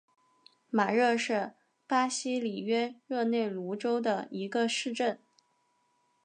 马热是巴西里约热内卢州的一个市镇。